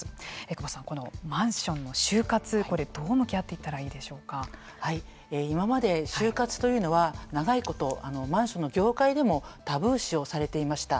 久保さん、このマンションの終活これ、どう向き合っていったら今まで終活というのは長いことマンションの業界でもタブー視をされていました。